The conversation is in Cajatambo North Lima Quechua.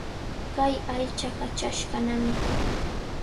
Kay aychaqa chashqanami.